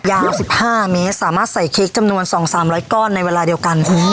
ยาวสิบห้าเมตรสามารถใส่เค้กจำนวนสองสามร้อยก้อนในเวลาเดียวกันหู